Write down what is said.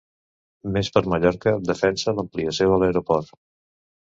Més per Mallorca defensa l'ampliació de l'aeroport